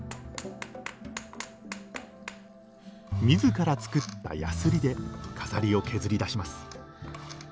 みずから作ったやすりで飾りを削りだします